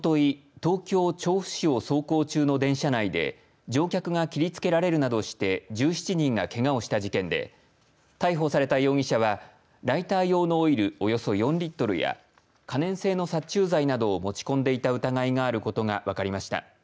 東京調布市を走行中の電車内で乗客が切りつけられるなどして１７人がけがをした事件で逮捕された容疑者はライター用のオイルおよそ４リットルや可燃性の殺虫剤などを持ち込んでいた疑いがあることが分かりました。